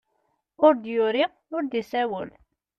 Ur d-yuri ur d-isawel.